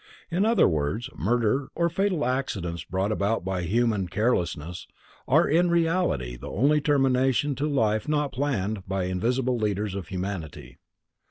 In other words, murder, or fatal accidents brought about _by human __ carelessness_, are in reality the only termination to life not planned by invisible leaders of humanity.